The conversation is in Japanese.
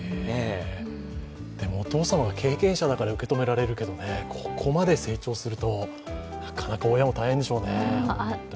でも、お父様が経験者だから受け止められるけどね、ここまで成長するとなかなか親も大変でしょうね、本当に。